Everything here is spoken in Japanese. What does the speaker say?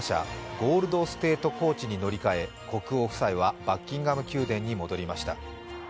ゴールド・ステート・コーチに乗り換え国王夫妻はバッキンガム宮殿に戻りました。